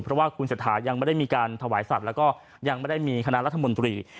เพราะว่าคุณเศรษฐายังไม่ได้มีการถวายสัตว์แล้วก็ยังไม่ได้มีคณะรัฐมนตรี